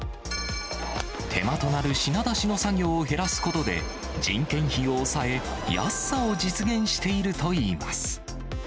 手間となる品出しの作業を減らすことで、人件費を抑え、安さを実現しているといいます。